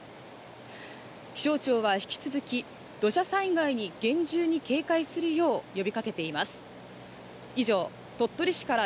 気象庁は引き続き土砂災害に厳重に警戒するよう呼びかけています。